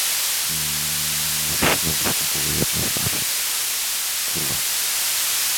Ich stanowisko było jednoznaczne